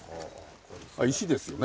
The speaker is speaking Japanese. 石ですよね。